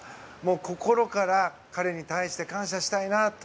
心から彼に対して感謝したいなと。